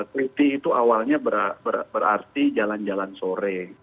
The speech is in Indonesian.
kritik itu awalnya berarti jalan jalan sore